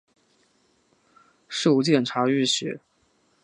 授监察御史。